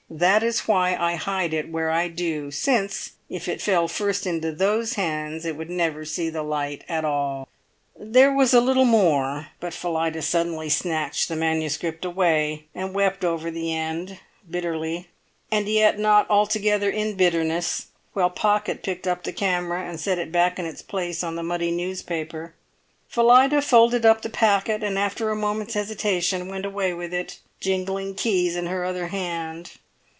That is why I hide it where I do: since, if it fell first into those hands, it would never see the light at all." There was a little more, but Phillida suddenly snatched the MS. away, and wept over the end, bitterly, and yet not altogether in bitterness, while Pocket picked up the camera and set it back in its place on the muddy newspaper. Phillida folded up the packet, and after a moment's hesitation went away with it, jingling keys in her other hand.